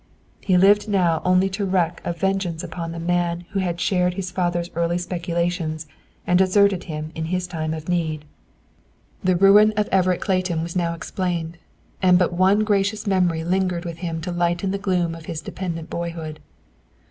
He lived now only to wreak a vengeance upon the man who had shared his father's early speculations and deserted him in his time of need. The ruin of Everett Clayton was now explained. And but one gracious memory lingered with him to lighten the gloom of his dependent boyhood.